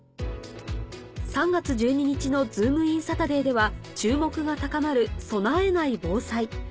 ３月１２日の『ズームイン‼サタデー』では注目が高まる「備えない防災」